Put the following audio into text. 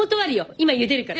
今ゆでるから。